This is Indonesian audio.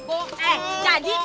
biar saya jelasin dulu tata